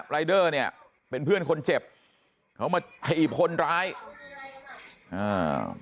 รายเดอร์เนี่ยเป็นเพื่อนคนเจ็บเขามาถีบคนร้ายอ่า